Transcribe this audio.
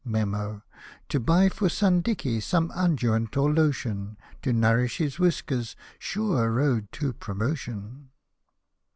Me7n, — to buy for son Dicky some unguent or lotion To nourish his whiskers — sure road to promotion